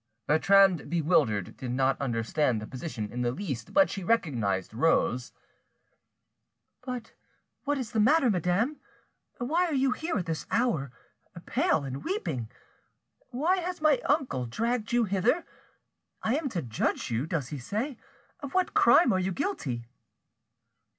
Bertrande, bewildered, did not understand the position in the least, but she recognised Rose— "But what is the matter, madame? Why are you here at this hour, pale and weeping? Why has my uncle dragged you hither? I am to judge you, does he say? Of what crime are you guilty?"